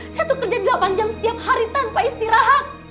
saya tuh kerja delapan jam setiap hari tanpa istirahat